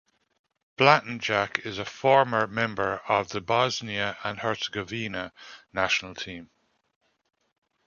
Blatnjak is a former member of the Bosnia and Herzegovina national team.